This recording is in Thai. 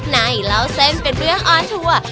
เล่าเส้นเป็นเรื่องออนทัวร์